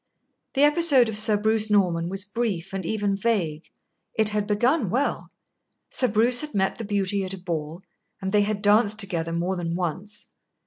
The episode of Sir Bruce Norman was brief and even vague. It had begun well. Sir Bruce had met the beauty at a ball, and they had danced together more than once.